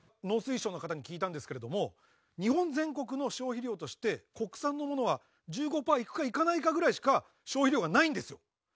農水省の方に聞いたんですけれども日本全国の消費量として国産のものは１５パーいくかいかないかぐらいしか消費量がないんですよ。